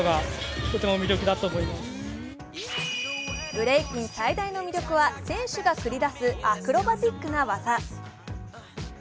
ブレイキン最大の魅力は選手が繰り出すアクロバティックな技。